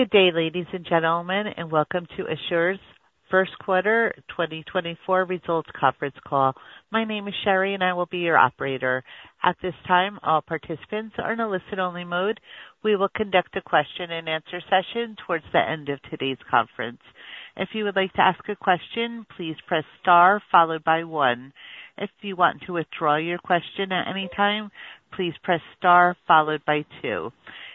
Good day, ladies and gentlemen, and Welcome to ASUR's First Quarter 2024 Results Conference Call. My name is Sherry, and I will be your operator. At this time, all participants are in a listen-only mode. We will conduct a question-and-answer session towards the end of today's conference. If you would like to ask a question, please press star followed by one. If you want to withdraw your question at any time, please press star followed by two.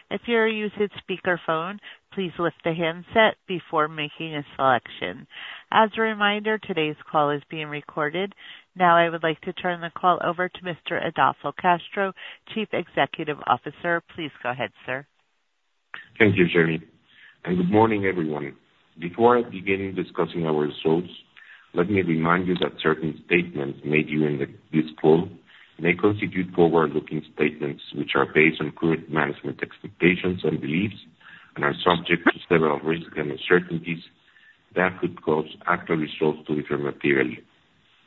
If you are using speakerphone, please lift the handset before making a selection. As a reminder, today's call is being recorded. Now I would like to turn the call over to Mr. Adolfo Castro, Chief Executive Officer. Please go ahead, sir. Thank you, Sherry, and good morning, everyone. Before I begin discussing our results, let me remind you that certain statements made during this call may constitute forward-looking statements, which are based on current management expectations and beliefs and are subject to several risks and uncertainties that could cause actual results to differ materially,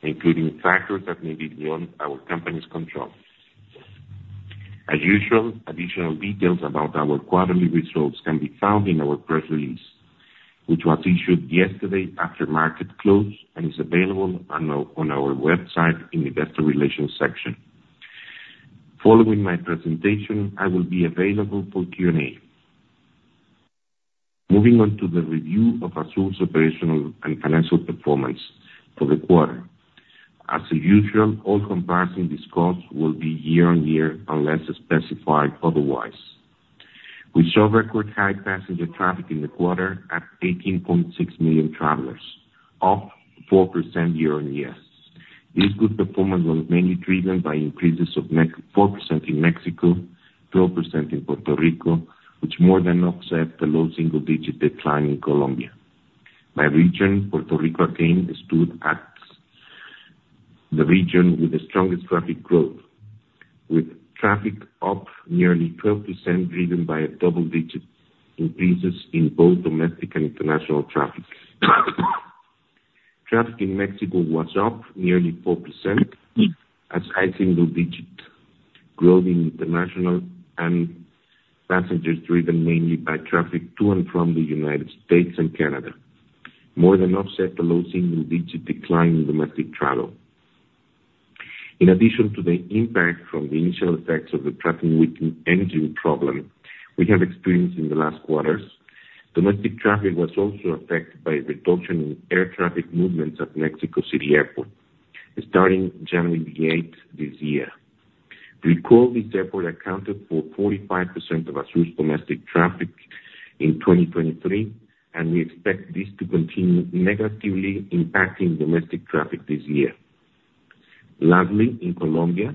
including factors that may be beyond our company's control. As usual, additional details about our quarterly results can be found in our press release, which was issued yesterday after market close and is available on our website in the Investor Relations section. Following my presentation, I will be available for Q&A. Moving on to the review of ASUR's operational and financial performance for the quarter. As usual, all comparison discussed will be year-on-year, unless specified otherwise. We saw record high passenger traffic in the quarter at 18.6 million travelers, up 4% year-on-year. This good performance was mainly driven by increases of 4% in Mexico, 12% in Puerto Rico, which more than offset the low single-digit decline in Colombia. By region, Puerto Rico again stood out as the region with the strongest traffic growth, with traffic up nearly 12%, driven by double-digit increases in both domestic and international traffic. Traffic in Mexico was up nearly 4%, as high single-digit growth in international passengers, driven mainly by traffic to and from the United States and Canada, more than offset the low single-digit decline in domestic travel. In addition to the impact from the initial effects of the Pratt & Whitney engine problem we have experienced in the last quarters, domestic traffic was also affected by a reduction in air traffic movements at Mexico City Airport, starting January 8, this year. This airport accounted for 45% of ASUR's domestic traffic in 2023, and we expect this to continue negatively impacting domestic traffic this year. Lastly, in Colombia,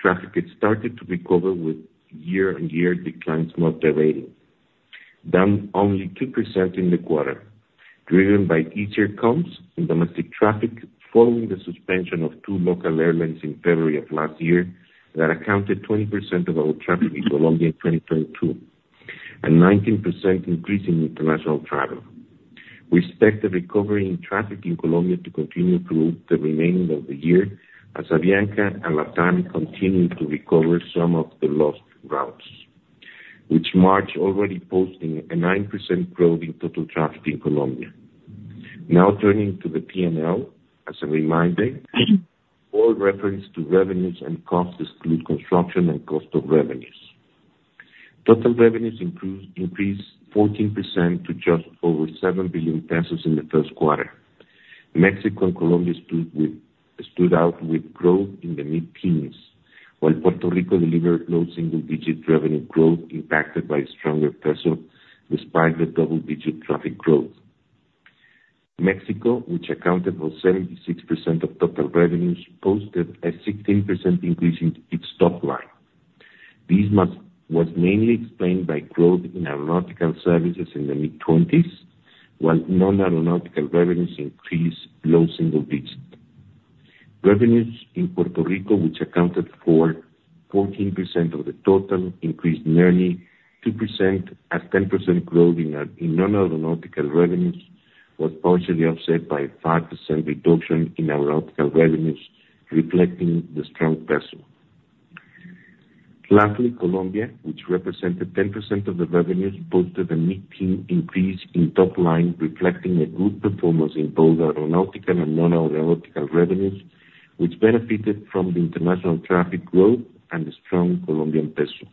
traffic has started to recover, with year-on-year declines moderating, down only 2% in the quarter, driven by easier comps in domestic traffic, following the suspension of two local airlines in February of last year that accounted 20% of our traffic in Colombia in 2022, and 19% increase in international travel. We expect the recovery in traffic in Colombia to continue through the remaining of the year, as Avianca and LATAM continue to recover some of the lost routes, which March already posting a 9% growth in total traffic in Colombia. Now turning to the P&L. As a reminder, all reference to revenues and costs include construction and cost of revenues. Total revenues improved, increased 14% to just over 7 billion pesos in the first quarter. Mexico and Colombia stood out with growth in the mid-teens, while Puerto Rico delivered low single-digit revenue growth impacted by stronger peso, despite the double-digit traffic growth. Mexico, which accounted for 76% of total revenues, posted a 16% increase in its top line. This was mainly explained by growth in aeronautical services in the mid-twenties, while non-aeronautical revenues increased low single digits. Revenues in Puerto Rico, which accounted for 14% of the total, increased nearly 2%, as 10% growth in non-aeronautical revenues was partially offset by a 5% reduction in aeronautical revenues, reflecting the strong peso. Lastly, Colombia, which represented 10% of the revenues, posted a mid-teen increase in top line, reflecting a good performance in both aeronautical and non-aeronautical revenues, which benefited from the international traffic growth and the strong Colombian peso.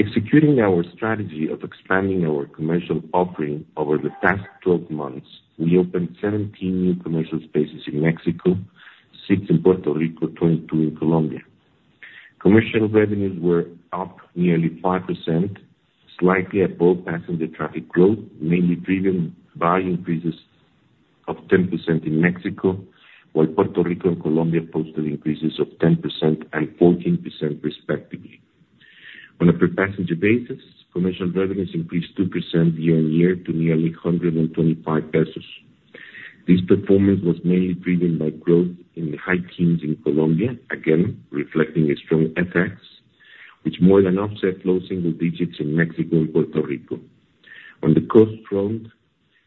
Executing our strategy of expanding our commercial offering over the past 12 months, we opened 17 new commercial spaces in Mexico, six in Puerto Rico, 22 in Colombia. Commercial revenues were up nearly 5%, slightly above passenger traffic growth, mainly driven by increases of 10% in Mexico, while Puerto Rico and Colombia posted increases of 10% and 14%, respectively. On a per-passenger basis, commercial revenues increased 2% year-on-year to nearly 125 pesos. This performance was mainly driven by growth in the high teens in Colombia, again, reflecting a strong FX, which more than offset low single digits in Mexico and Puerto Rico. On the cost front,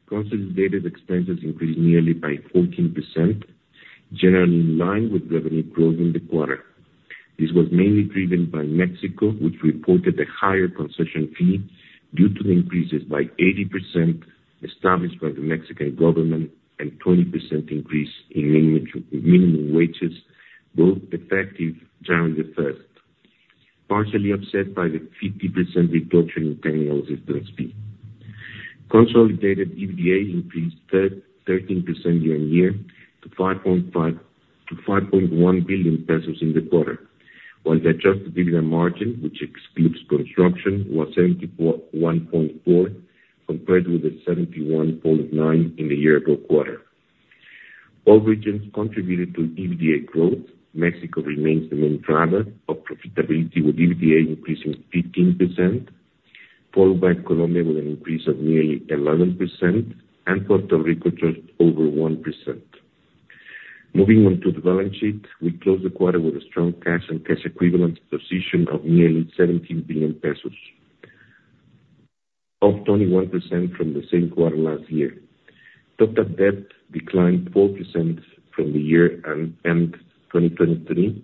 consolidated expenses increased nearly by 14%, generally in line with revenue growth in the quarter. This was mainly driven by Mexico, which reported a higher concession fee due to increases by 80% established by the Mexican government, and 20% increase in minimum wages, both effective January 1. Partially offset by the 50% reduction in technical assistance fee. Consolidated EBITDA increased thirteen percent year-on-year to 5.1 billion pesos in the quarter, while the adjusted EBITDA margin, which excludes construction, was 74.1%, compared with the 71.9% in the year-ago quarter. All regions contributed to EBITDA growth. Mexico remains the main driver of profitability, with EBITDA increasing 15%, followed by Colombia with an increase of nearly 11%, and Puerto Rico just over 1%. Moving on to the balance sheet, we closed the quarter with a strong cash and cash equivalent position of nearly 17 billion pesos, up 21% from the same quarter last year. Total debt declined 4% from the year end 2023,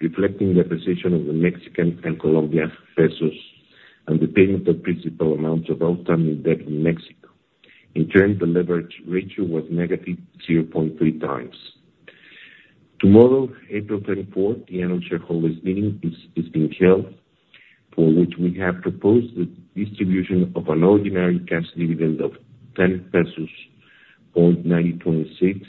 reflecting the position of the Mexican and Colombian pesos, and the payment of principal amounts of outstanding debt in Mexico. In turn, the leverage ratio was negative 0.3x. Tomorrow, April 24th, the annual shareholders meeting is being held, for which we have proposed the distribution of an ordinary cash dividend of 10 pesos or $0.96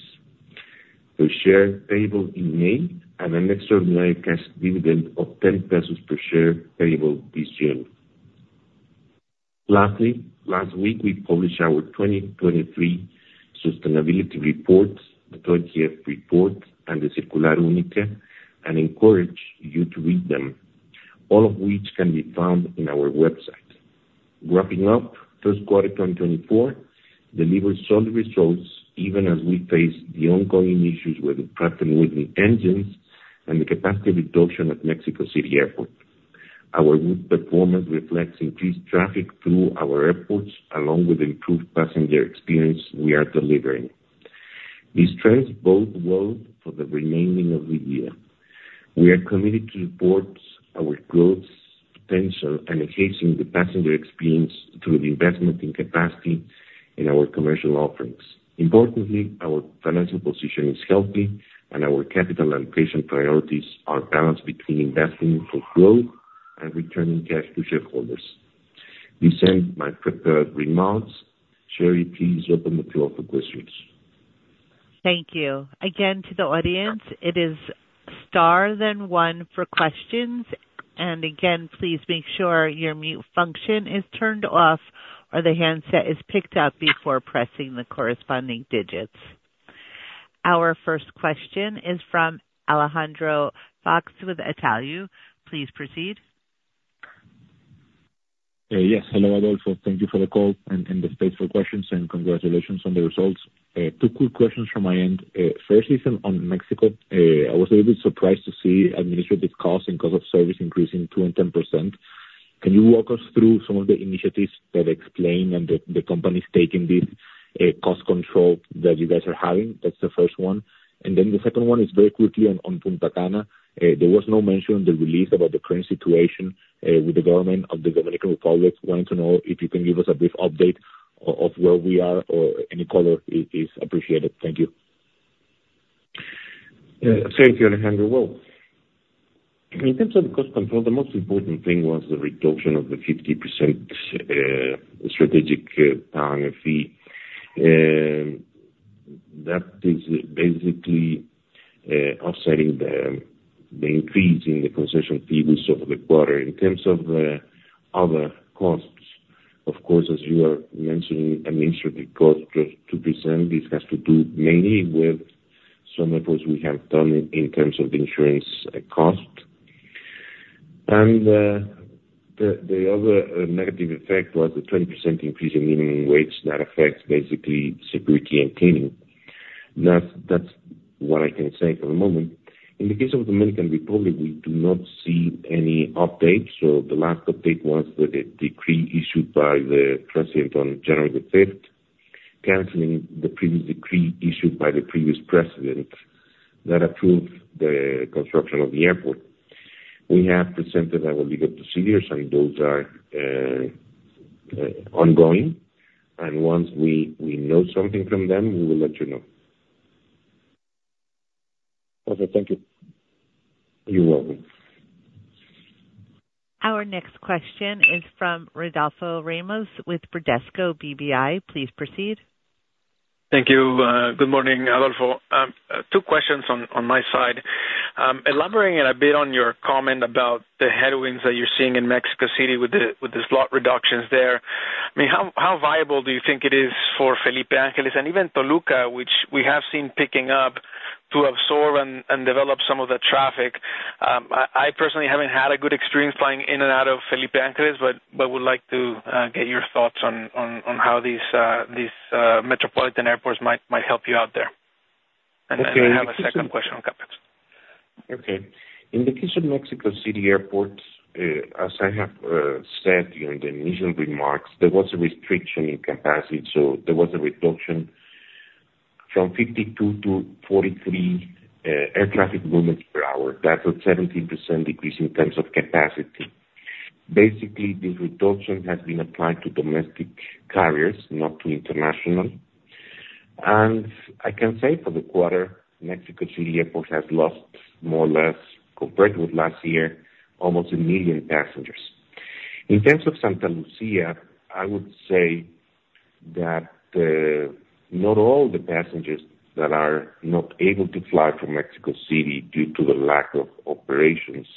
per share, payable in May, and an extraordinary cash dividend of 10 pesos per share, payable this June. Lastly, last week we published our 2023 sustainability reports, the third year report, and the Circular Única, and encourage you to read them, all of which can be found on our website. Wrapping up, first quarter 2024 delivered solid results, even as we face the ongoing issues with the Pratt & Whitney engines and the capacity reduction at Mexico City Airport. Our new performance reflects increased traffic through our airports, along with improved passenger experience we are delivering. This trends bode well for the remaining of the year. We are committed to reports our growths potential and enhancing the passenger experience through the investment in capacity in our commercial offerings. Importantly, our financial position is healthy, and our capital allocation priorities are balanced between investing for growth and returning cash to shareholders. This ends my prepared remarks. Sherry, please open the floor for questions. Thank you. Again, to the audience, it is star, then one for questions. And again, please make sure your mute function is turned off or the handset is picked up before pressing the corresponding digits. Our first question is from Alejandro Fuchs with Itaú. Please proceed. Yes. Hello, Adolfo. Thank you for the call and, and the space for questions, and congratulations on the results. Two quick questions from my end. First is on, on Mexico. I was a little bit surprised to see administrative costs and cost of service increasing 2% and 10%. Can you walk us through some of the initiatives that explain and the, the company's taking this, cost control that you guys are having? That's the first one. And then the second one is very quickly on, on Punta Cana. There was no mention on the release about the current situation, with the government of the Dominican Republic. Wanted to know if you can give us a brief update of where we are, or any color is appreciated. Thank you. Thank you, Alejandro. Well, in terms of cost control, the most important thing was the reduction of the 50% strategic partner fee. That is basically offsetting the increase in the concession fee over the quarter. In terms of other costs, of course, as you are mentioning, administrative costs just 2%, this has to do mainly with some efforts we have done in terms of insurance cost. And the other negative effect was the 20% increase in minimum wage. That affects basically security and cleaning. That's what I can say for the moment. In the case of Dominican Republic, we do not see any updates, so the last update was with a decree issued by the president on January the fifth, canceling the previous decree issued by the previous president that approved the construction of the airport. We have presented our legal procedures, and those are ongoing, and once we know something from them, we will let you know. Okay, thank you. You're welcome. Our next question is from Rodolfo Ramos with Bradesco BBI. Please proceed. Thank you. Good morning, Adolfo. Two questions on my side. Elaborating a bit on your comment about the headwinds that you're seeing in Mexico City with the slot reductions there, I mean, how viable do you think it is for Felipe Ángeles, and even Toluca, which we have seen picking up, to absorb and develop some of the traffic? I personally haven't had a good experience flying in and out of Felipe Ángeles, but would like to get your thoughts on how these metropolitan airports might help you out there. I have a second question on capital.... Okay. In the case of Mexico City Airport, as I have said during the initial remarks, there was a restriction in capacity, so there was a reduction from 52 to 43 air traffic movements per hour. That's a 17% decrease in terms of capacity. Basically, this reduction has been applied to domestic carriers, not to international. And I can say for the quarter, Mexico City Airport has lost more or less, compared with last year, almost 1 million passengers. In terms of Santa Lucía, I would say that, not all the passengers that are not able to fly from Mexico City due to the lack of operations,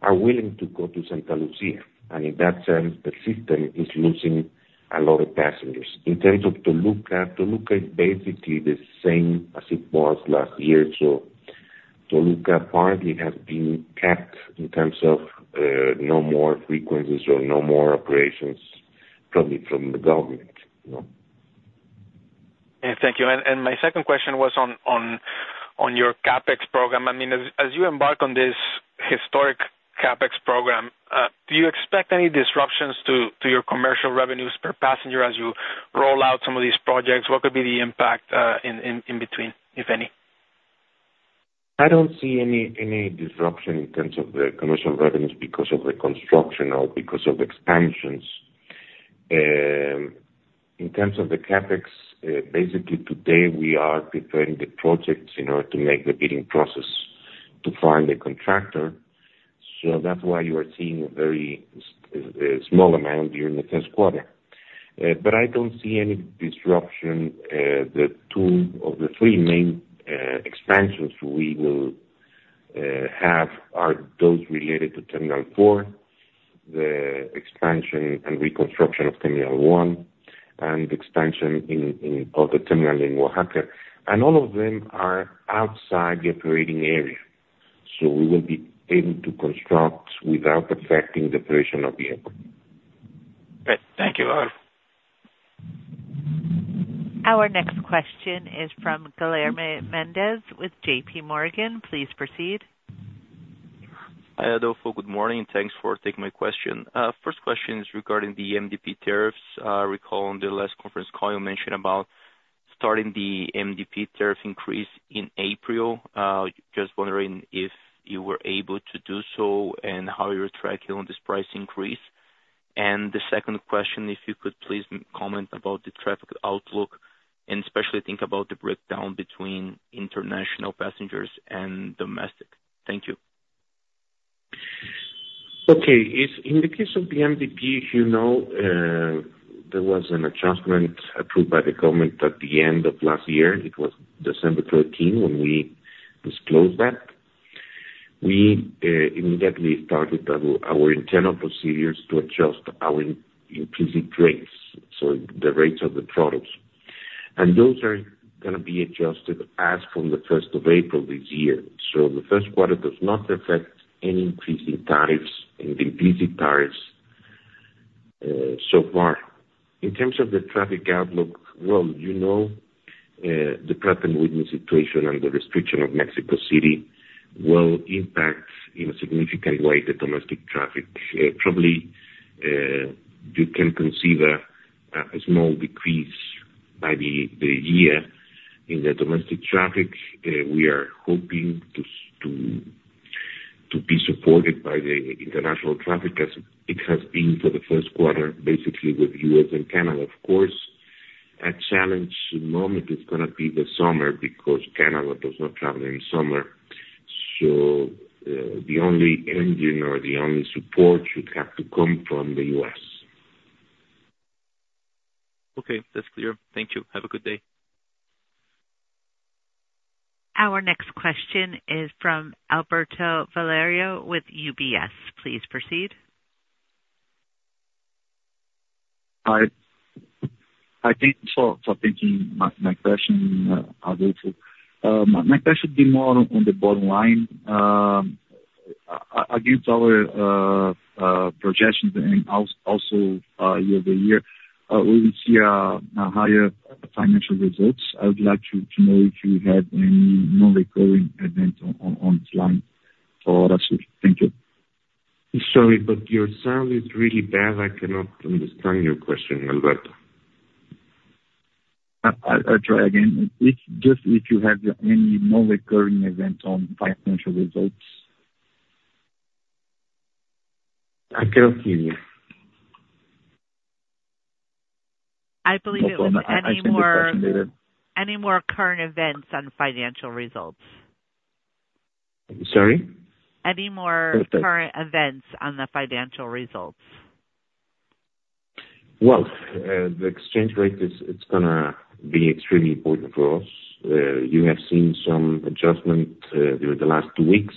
are willing to go to Santa Lucía, and in that sense, the system is losing a lot of passengers. In terms of Toluca, Toluca is basically the same as it was last year, so Toluca partly has been capped in terms of no more frequencies or no more operations from the government, you know. Thank you. My second question was on your CapEx program. I mean, as you embark on this historic CapEx program, do you expect any disruptions to your commercial revenues per passenger as you roll out some of these projects? What could be the impact in between, if any? I don't see any disruption in terms of the commercial revenues because of the construction or because of expansions. In terms of the CapEx, basically today we are preparing the projects in order to make the bidding process to find a contractor, so that's why you are seeing a very small amount during the first quarter. But I don't see any disruption. The two of the three main expansions we will have are those related to Terminal 4, the expansion and reconstruction of Terminal 1, and expansion of the terminal in Oaxaca. And all of them are outside the operating area. So we will be able to construct without affecting the operation of the airport. Great. Thank you a lot. Our next question is from Guilherme Mendes with JPMorgan. Please proceed. Hi, Adolfo. Good morning, and thanks for taking my question. First question is regarding the MDP tariffs. I recall on the last conference call you mentioned about starting the MDP tariff increase in April. Just wondering if you were able to do so, and how you're tracking on this price increase? And the second question, if you could please comment about the traffic outlook, and especially think about the breakdown between international passengers and domestic. Thank you. Okay. If in the case of the MDP, you know, there was an adjustment approved by the government at the end of last year. It was December 13 when we disclosed that. We immediately started our internal procedures to adjust our increasing rates, so the rates of the products. And those are gonna be adjusted as from April 1 this year. So the first quarter does not affect any increase in tariffs, in increasing tariffs, so far. In terms of the traffic outlook, well, you know, the current situation and the restriction of Mexico City will impact in a significant way, the domestic traffic. Probably, you can consider a small decrease by the year in the domestic traffic. We are hoping to be supported by the international traffic as it has been for the first quarter, basically with U.S. and Canada. Of course, a challenge moment is gonna be the summer, because Canada does not travel in summer. So, the only engine or the only support should have to come from the U.S.. Okay, that's clear. Thank you. Have a good day. Our next question is from Alberto Valerio with UBS. Please proceed. Hi. I think so, so thank you. My, my question, Adolfo. My, my question be more on the bottom line. Against our projections and also, year-over-year, we will see a higher financial results. I would like to, to know if you had any non-recurring event on, on, online for us. Thank you. Sorry, but your sound is really bad. I cannot understand your question, Alberto. I'll try again. If you have any non-recurring event on financial results? I cannot hear you. I believe it was any more- I send the question later. Any more current events on financial results? Sorry? Any more current events on the financial results? Well, the exchange rate is, it's gonna be extremely important for us. You have seen some adjustment during the last two weeks,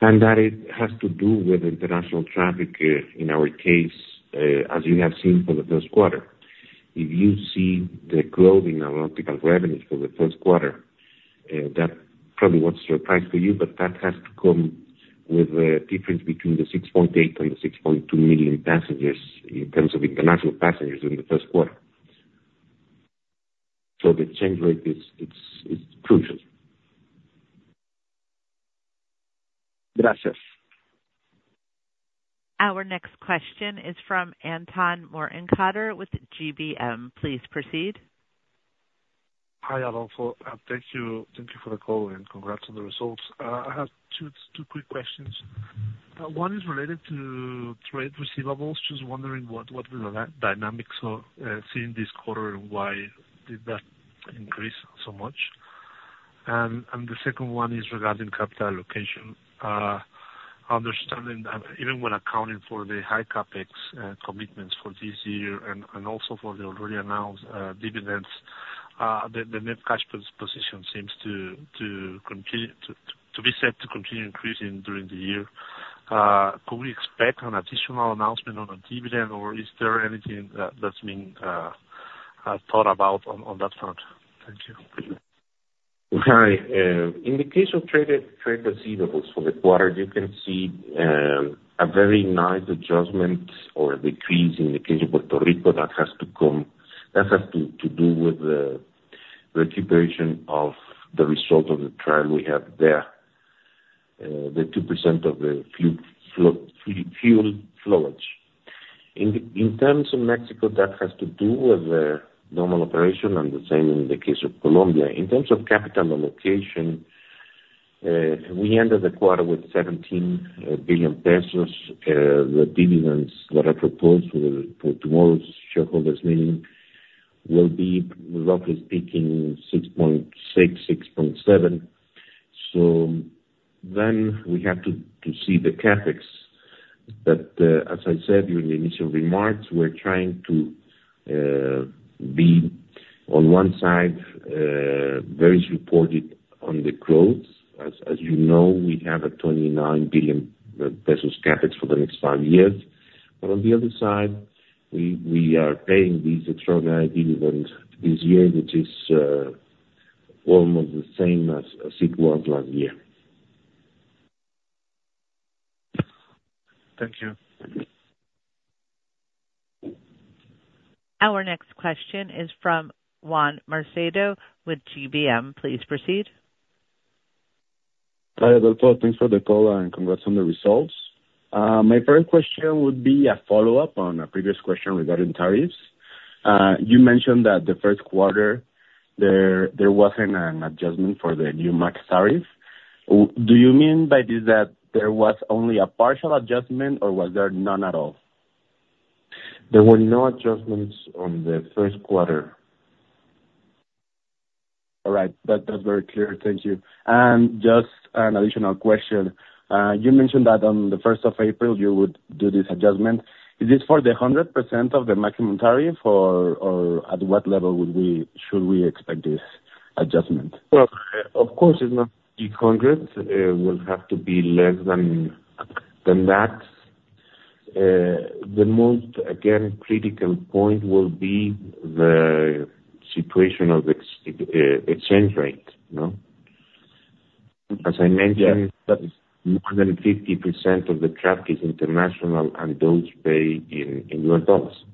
and that it has to do with international traffic, in our case, as you have seen for the first quarter. If you see the growth in our aeronautical revenues for the first quarter, that probably was surprise for you, but that has to come with a difference between the 6.8 and the 6.2 million passengers, in terms of international passengers in the first quarter. So the exchange rate is, it's, it's crucial. Gracias. Our next question is from Anton Mortenkotter with GBM. Please proceed. Hi, Adolfo. Thank you. Thank you for the call and congrats on the results. I have two quick questions. One is related to trade receivables. Just wondering what were the dynamics of seeing this quarter, and why did that increase so much? And the second one is regarding capital allocation. Understanding, even when accounting for the high CapEx commitments for this year and also for the already announced dividends, the net cash position seems to continue to be set to continue increasing during the year. Could we expect an additional announcement on a dividend, or is there anything that's being thought about on that front? Thank you. Hi. In the case of trade receivables for the quarter, you can see a very nice adjustment or a decrease in the case of Puerto Rico that has to do with the recuperation of the result of the trial we have there. The 2% of the fuel flowage. In terms of Mexico, that has to do with the normal operation, and the same in the case of Colombia. In terms of capital allocation, we ended the quarter with 17 billion pesos. The dividends that are proposed for tomorrow's shareholders meeting will be, roughly speaking, 6.6 billion-6.7 billion. So then we have to see the CapEx. But, as I said during the initial remarks, we're trying to be, on one side, very supported on the growth. As you know, we have 29 billion pesos CapEx for the next five years. But on the other side, we are paying this extraordinary dividend this year, which is almost the same as it was last year. Thank you. Our next question is from Juan Macedo with GBM. Please proceed. Hi, Adolfo. Thanks for the call, and congrats on the results. My first question would be a follow-up on a previous question regarding tariffs. You mentioned that the first quarter there wasn't an adjustment for the new max tariff. What do you mean by this that there was only a partial adjustment, or was there none at all? There were no adjustments on the first quarter. All right. That, that's very clear. Thank you. And just an additional question. You mentioned that on the first of April, you would do this adjustment. Is this for the 100% of the maximum tariff, or at what level would we, should we expect this adjustment? Well, of course it's not the 100. It will have to be less than that. The most, again, critical point will be the situation of exchange rate, you know? As I mentioned- Yeah. more than 50% of the traffic is international, and those pay in U.S. dollars.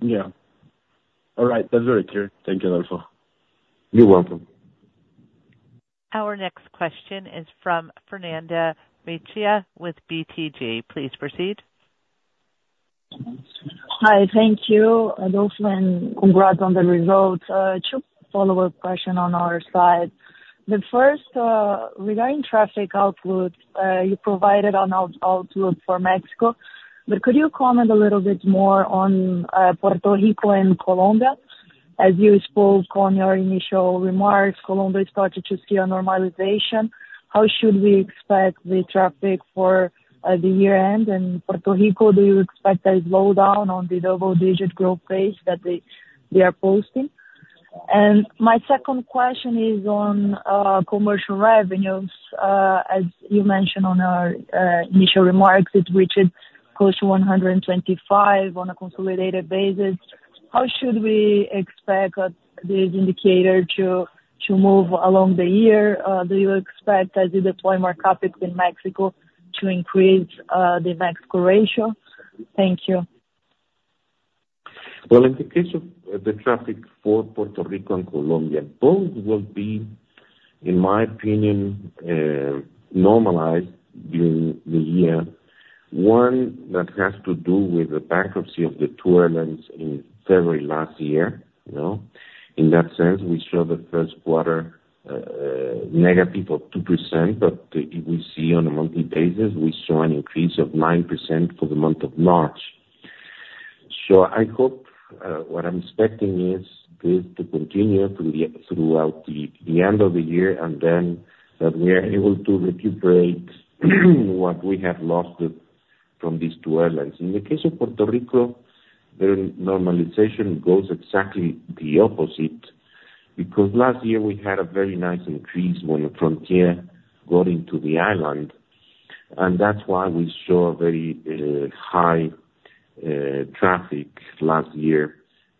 Yeah. All right. That's very clear. Thank you, Adolfo. You're welcome. Our next question is from Fernanda Recchia with BTG. Please proceed. Hi. Thank you, Adolfo, and congrats on the results. Two follow-up questions on our side. The first, regarding traffic output, you provided on output for Mexico, but could you comment a little bit more on, Puerto Rico and Colombia? As you spoke on your initial remarks, Colombia started to see a normalization. How should we expect the traffic for, the year end? And Puerto Rico, do you expect a slowdown on the double-digit growth rate that they are posting? And my second question is on, commercial revenues. As you mentioned on our, initial remarks, it reached close to 125 million on a consolidated basis. How should we expect, this indicator to move along the year? Do you expect as you deploy more CapEx in Mexico to increase, the Mexico ratio? Thank you. Well, in the case of the traffic for Puerto Rico and Colombia, both will be, in my opinion, normalized during the year. One, that has to do with the bankruptcy of the two airlines in February last year, you know? In that sense, we saw the first quarter negative of 2%, but we see on a monthly basis, we saw an increase of 9% for the month of March. So I hope what I'm expecting is this to continue through the, throughout the end of the year, and then that we are able to recuperate what we have lost from these two airlines. In the case of Puerto Rico, the normalization goes exactly the opposite, because last year we had a very nice increase when Frontier got into the island, and that's why we saw a very high traffic last year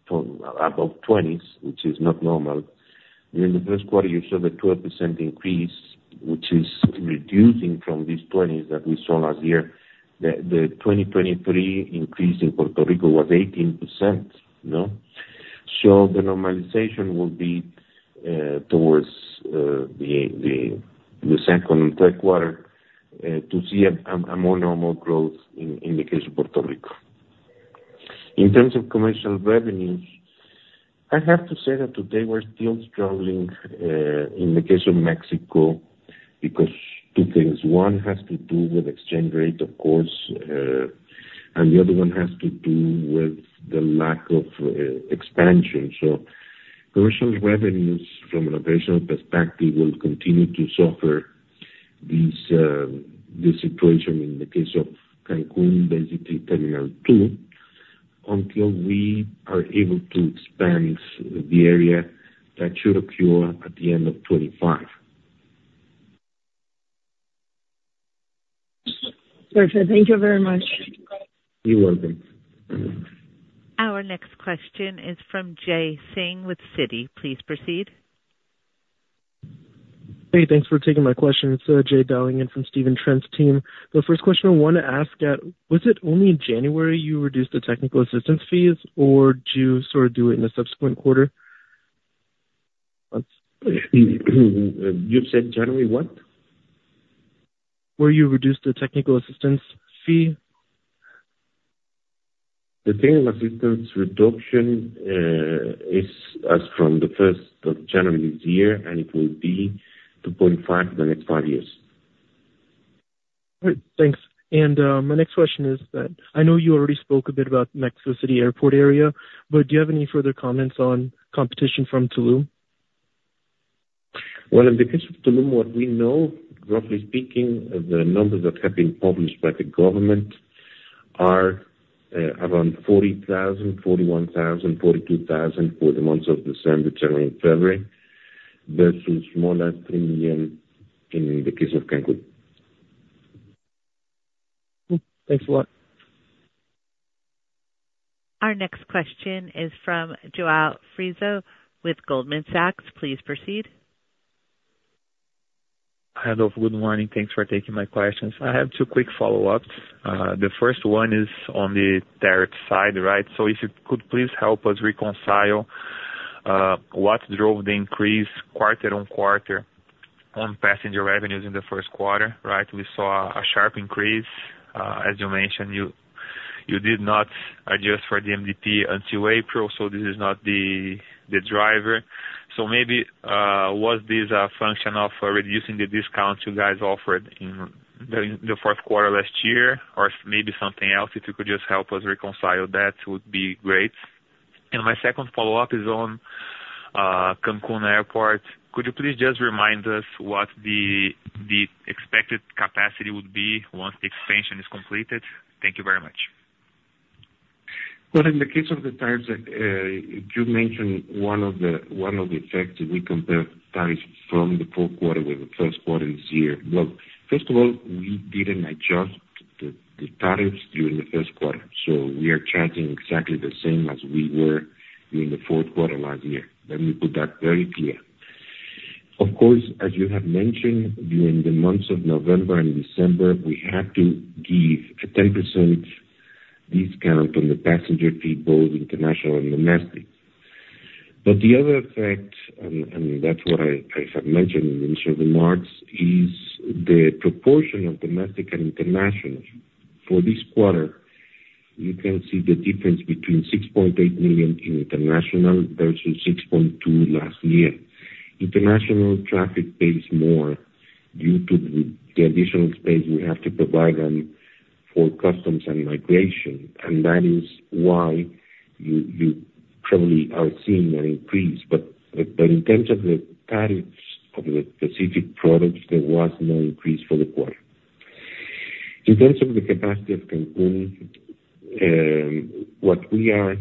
from above 20s, which is not normal. In the first quarter, you saw the 12% increase, which is reducing from these 20s that we saw last year, the 2023 increase in Puerto Rico was 18%, you know? So the normalization will be towards the second and third quarter to see a more normal growth in the case of Puerto Rico. In terms of commercial revenues, I have to say that today we're still struggling in the case of Mexico, because two things: one has to do with exchange rate, of course, and the other one has to do with the lack of expansion. So commercial revenues from an operational perspective will continue to suffer these, the situation in the case of Cancún, basically Terminal 2, until we are able to expand the area that should occur at the end of 2025. Perfect. Thank you very much. You're welcome. Our next question is from Jay Singh with Citi. Please proceed. Hey, thanks for taking my question. It's Jay dialing in from Stephen Trent's team. The first question I want to ask was it only in January you reduced the technical assistance fees, or did you sort of do it in a subsequent quarter? You said January what? Where you reduced the Technical Assistance Fee. The technical assistance reduction is as from the first of January this year, and it will be 2.5 for the next five years. Great. Thanks. And, my next question is that I know you already spoke a bit about Mexico City Airport area, but do you have any further comments on competition from Tulum? Well, in the case of Tulum, what we know, roughly speaking, the numbers that have been published by the government are around 40,000, 41,000, 42,000 for the months of December, January, and February, versus more or less 3 million in the case of Cancún. Thanks a lot. Our next question is from João Frizo with Goldman Sachs. Please proceed. Hi, Adolfo. Good morning. Thanks for taking my questions. I have two quick follow-ups. The first one is on the tariff side, right? So if you could please help us reconcile what drove the increase quarter-over-quarter on passenger revenues in the first quarter, right? We saw a sharp increase. As you mentioned, you did not adjust for the MDP until April, so this is not the driver. So maybe was this a function of reducing the discounts you guys offered in the fourth quarter last year, or maybe something else? If you could just help us reconcile that, would be great. And my second follow-up is on Cancún Airport. Could you please just remind us what the expected capacity would be once the expansion is completed? Thank you very much. Well, in the case of the tariffs, you mentioned one of the effects; we compare tariffs from the fourth quarter with the first quarter this year. Well, first of all, we didn't adjust the tariffs during the first quarter, so we are charging exactly the same as we were during the fourth quarter last year. Let me put that very clear. Of course, as you have mentioned, during the months of November and December, we had to give a 10% discount on the passenger fee, both international and domestic. But the other effect, and that's what I have mentioned in the initial remarks, is the proportion of domestic and international. For this quarter, you can see the difference between 6.8 million in international versus 6.2 last year. International traffic pays more due to the additional space we have to provide them for customs and migration, and that is why you probably are seeing an increase. But in terms of the tariffs of the specific products, there was no increase for the quarter. In terms of the capacity of Cancún, what we are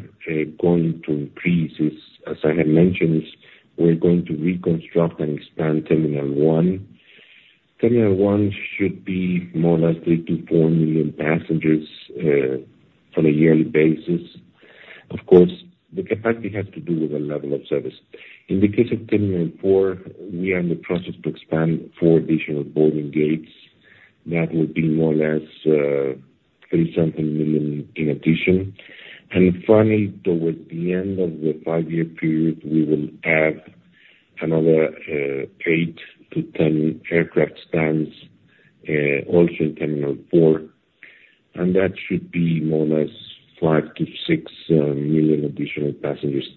going to increase is, as I had mentioned, is we're going to reconstruct and expand Terminal 1. Terminal 1 should be more or less 3-4 million passengers on a yearly basis. Of course, the capacity has to do with the level of service. In the case of Terminal 4, we are in the process to expand 4 additional boarding gates. That would be more or less 3 something million in addition. Finally, toward the end of the five-year period, we will add another 8-10 aircraft stands, also in Terminal 4, and that should be more or less 5-6 million additional passengers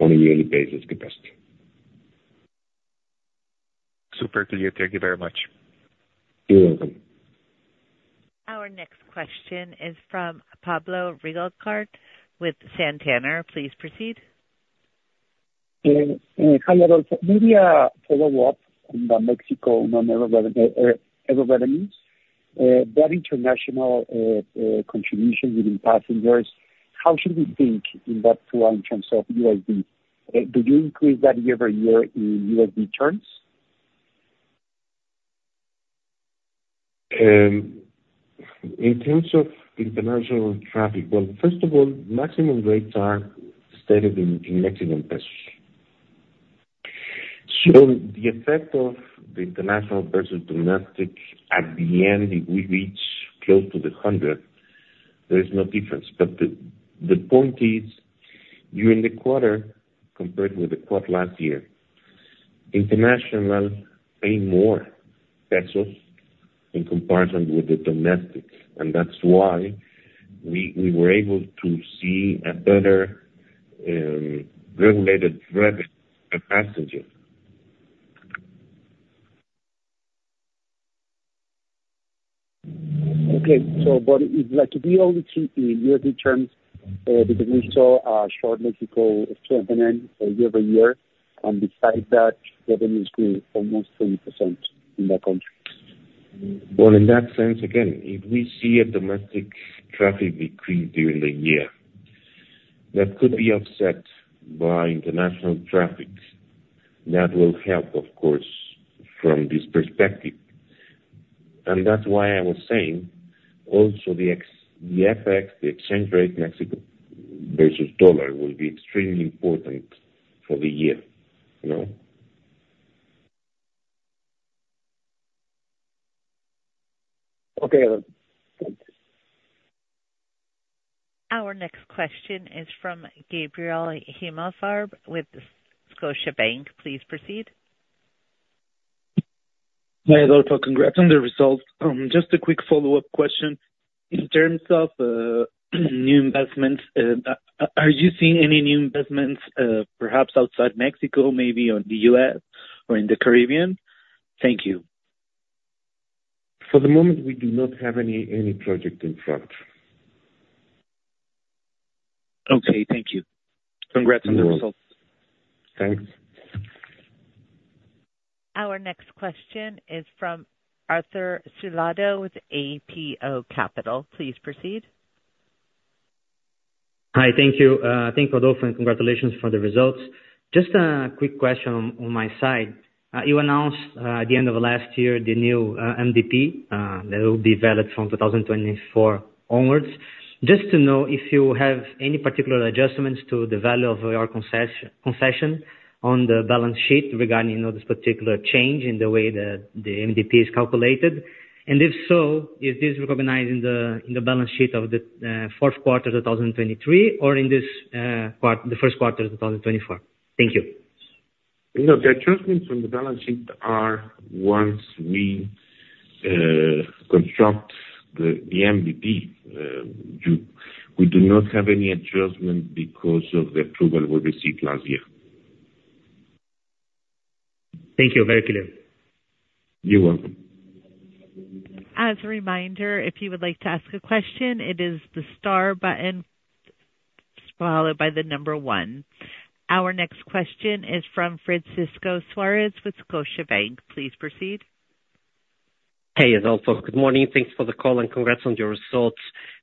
on a yearly basis capacity. Super clear. Thank you very much. You're welcome. Our next question is from Pablo Ricalde Martinez with Santander. Please proceed. Hi, Adolfo. Maybe a follow-up on the Mexico on air revenues. That international contribution within passengers, how should we think in that flow in terms of USD? Do you increase that year-over-year in USD terms?... In terms of international traffic, well, first of all, maximum rates are stated in Mexican pesos. So the effect of the international versus domestic at the end, if we reach close to the hundred, there is no difference. But the point is, during the quarter, compared with the quarter last year, international paid more pesos in comparison with the domestic, and that's why we were able to see a better regulated revenue per passenger. Okay. But if like we only see in USD terms, because we saw a short Mexico year-over-year, and besides that, revenues grew almost 30% in that country. Well, in that sense, again, if we see a domestic traffic decrease during the year, that could be offset by international traffic. That will help, of course, from this perspective. And that's why I was saying also the FX, the exchange rate, Mexico versus dollar, will be extremely important for the year, you know. Okay. Thanks. Our next question is from Gabriel Himelfarb with Scotiabank. Please proceed. Hi, Adolfo. Congrats on the results. Just a quick follow-up question. In terms of new investments, are you seeing any new investments, perhaps outside Mexico, maybe in the U.S. or in the Caribbean? Thank you. For the moment, we do not have any project in front. Okay, thank you. Congrats on the results. Thanks. Our next question is from Arthur Suelotto with Apo Capital. Please proceed. Hi, thank you. Thank Adolfo, and congratulations for the results. Just a quick question on my side. You announced at the end of last year, the new MDP that will be valid from 2024 onwards. Just to know if you have any particular adjustments to the value of your concession on the balance sheet regarding, you know, this particular change in the way the MDP is calculated, and if so, is this recognized in the balance sheet of the fourth quarter of 2023, or in this quarter the first quarter of 2024? Thank you. You know, the adjustments on the balance sheet are once we construct the MDP. We do not have any adjustment because of the approval we received last year. Thank you. Very clear. You're welcome. As a reminder, if you would like to ask a question, it is the star button followed by the number one. Our next question is from Francisco Suarez with Scotiabank. Please proceed. Hey, Adolfo. Good morning. Thanks for the call, and congrats on your results.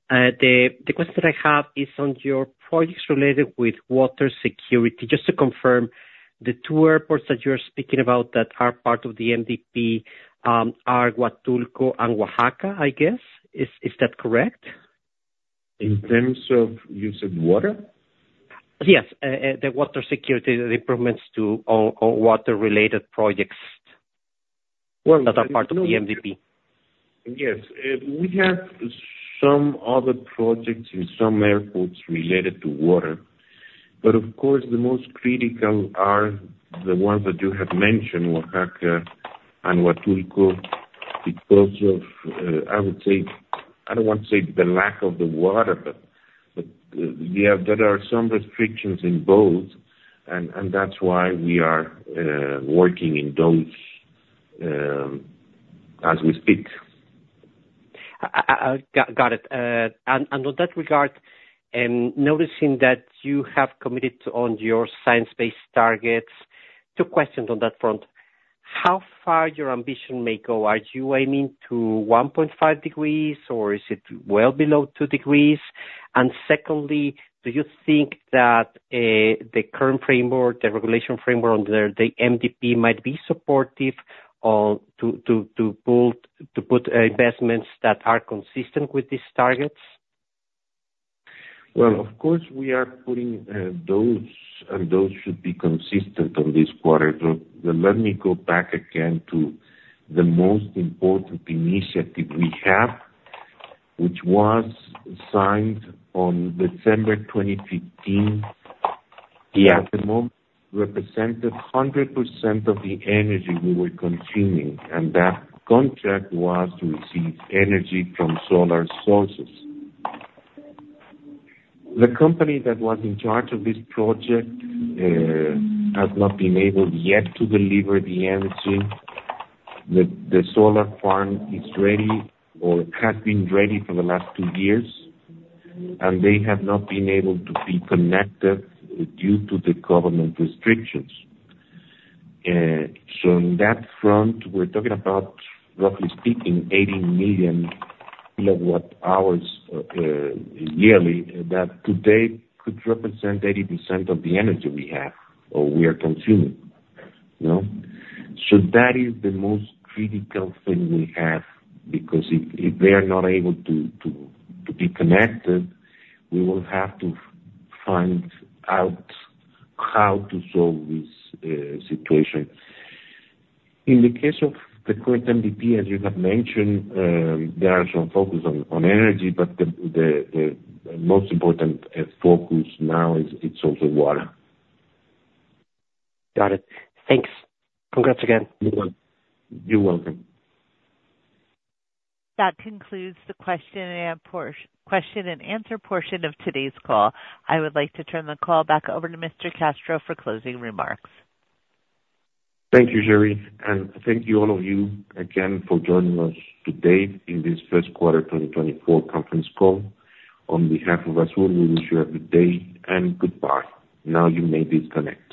The question I have is on your projects related with water security. Just to confirm, the two airports that you are speaking about that are part of the MDP, are Huatulco and Oaxaca, I guess. Is that correct? In terms of use of water? Yes. The water security improvements to all water-related projects that are part of the MDP. Yes. We have some other projects in some airports related to water, but of course, the most critical are the ones that you have mentioned, Oaxaca and Huatulco, because of, I would say, I don't want to say the lack of the water, but, but yeah, there are some restrictions in both, and, and that's why we are working in those, as we speak. Got it. And on that regard, noticing that you have committed on your science-based targets, two questions on that front: How far your ambition may go? Are you aiming to 1.5 degrees, or is it well below 2 degrees? And secondly, do you think that the current framework, the regulation framework under the MDP, might be supportive to put investments that are consistent with these targets? Well, of course, we are putting those, and those should be consistent on this quarter. But let me go back again to the most important initiative we have, which was signed on December 2015. Yeah. At the moment, represented 100% of the energy we were consuming, and that contract was to receive energy from solar sources. The company that was in charge of this project has not been able yet to deliver the energy. The solar farm is ready or has been ready for the last two years, and they have not been able to be connected due to the government restrictions. So on that front, we're talking about, roughly speaking, 80 million kWh yearly, that today could represent 80% of the energy we have or we are consuming, you know? So that is the most critical thing we have, because if they are not able to be connected, we will have to find out how to solve this situation. In the case of the current MDP, as you have mentioned, there are some focus on energy, but the most important focus now is, it's also water. Got it. Thanks. Congrats again. You're welcome. That concludes the question and answer portion of today's call. I would like to turn the call back over to Mr. Castro for closing remarks. Thank you, Sherry, and thank you all of you again for joining us today in this first quarter 2024 conference call. On behalf of us all, we wish you a good day and goodbye. Now you may disconnect.